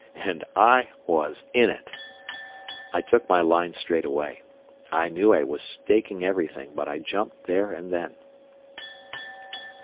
And I was in it! I took my line straight away. I knew I was staking everything, but I jumped there and then.